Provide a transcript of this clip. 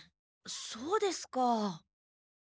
そうですか。